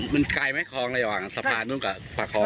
นั่นกลายเป็นคลองระยะว่างสะพานตรงกับผ้าคลอง